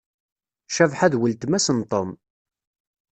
Cabḥa d weltma-s n Tom.